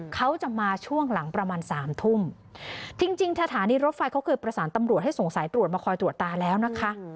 เขาจะมาช่วงหลังประมาณสามทุ่มจริงจริงสถานีรถไฟเขาเคยประสานตำรวจให้ส่งสายตรวจมาคอยตรวจตาแล้วนะคะ